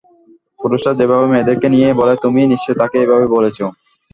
পুরুষরা যেভাবে মেয়েদেরকে নিয়ে বলে তুমিও নিশ্চয়ই তাকে এভাবেই বলেছো।